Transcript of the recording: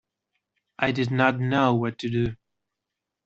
I did not know what to do.